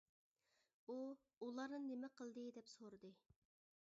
ئۇ: ئۇلارنى نېمە قىلدى؟ -دەپ سورىدى.